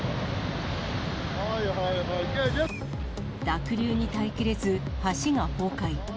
濁流に耐えきれず、橋が崩壊。